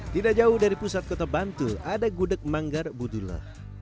tidak jauh dari pusat kota bantul ada gudeg manggar budula